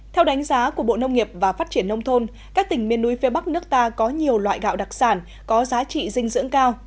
theo đánh giá của bộ nông nghiệp và phát triển nông thôn các tỉnh miền núi phía bắc nước ta có nhiều loại gạo đặc sản có giá trị dinh dưỡng cao